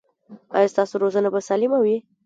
ایا ستاسو روزنه به سالمه وي؟